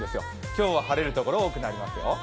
今日は晴れる所、多くなりますよ。